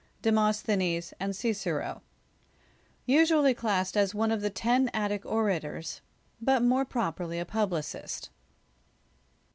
Demosthenes, and Cicero; usually classed as one of the teu Attic orators, but more properly a publicist.